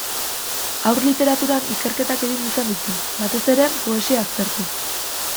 Haur Literaturan ikerketak egin izan ditu, batez ere, poesia aztertuz.